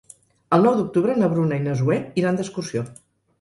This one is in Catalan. El nou d'octubre na Bruna i na Zoè iran d'excursió.